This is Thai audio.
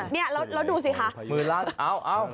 นี่เราดูสิค่ะ